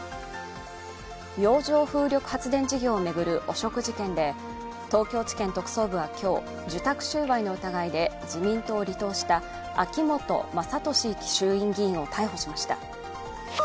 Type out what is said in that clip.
洋上風力発電事業を巡る汚職事件で、東京地検特捜部は今日、受託収賄の疑いで自民党を離党した秋本衆院議員を逮捕しました。